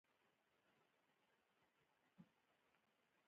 د اته نیم دینارو په اړه وګوره